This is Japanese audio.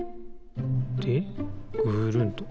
でぐるんと。